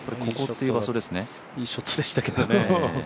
いいショットでしたけどね。